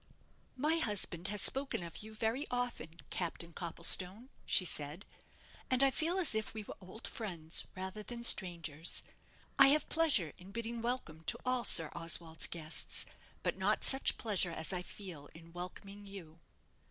"My husband has spoken of you very often, Captain Copplestone," she said; "and I feel as if we were old friends rather than strangers. I have pleasure in bidding welcome to all Sir Oswald's guests; but not such pleasure as I feel in welcoming you."